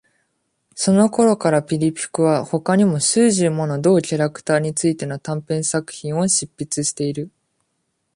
その頃から、ピリピュクは他にも数十もの同キャラクターについての短編作品を執筆している。